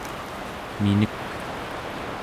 minek